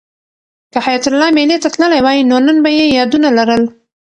که حیات الله مېلې ته تللی وای نو نن به یې یادونه لرل.